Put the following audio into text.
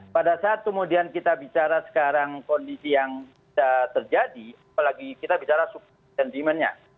pada saat kemudian kita bicara sekarang kondisi yang sudah terjadi apalagi kita bicara suplai dan demandnya